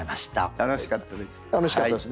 楽しかったです。